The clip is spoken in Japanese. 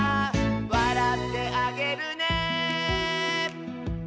「わらってあげるね」